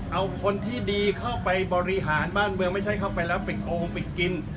เอาคนที่ดีเข้าไปบริหารบ้านเมืองไม่ใช่เข้าไปแล้วปิดโอมปิดกิน